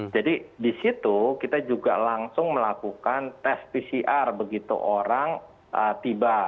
jadi di situ kita juga langsung melakukan tes pcr begitu orang tiba